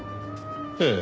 ええ。